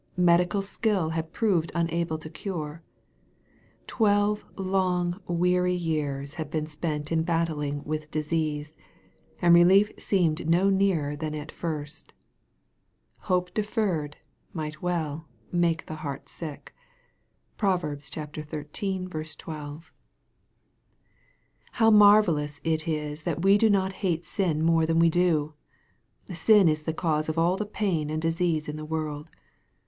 Medical skill had proved unable to cure. Twelve long weary years had been spent in battling with disease, and relief seemed no nearer than at first. " Hope de ferred" might well " make her heart sick." (Prov. xiii. 12.) How marvellous it is that we do not hate sin more than we do ! Sin is the cause of all the pain and dis ease in the world.